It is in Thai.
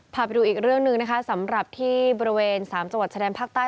พาไปดูอีกเรื่องหนึ่งนะคะสำหรับที่บริเวณ๓จังหวัดชายแดนภาคใต้